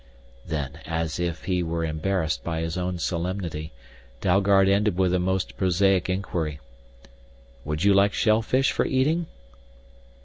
Then, as if he were embarrassed by his own solemnity, Dalgard ended with a most prosaic inquiry: "Would you like shellfish for eating?"